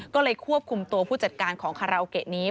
ก็เลยควบคุมตัวผู้จัดการของคาราโอเกะนี้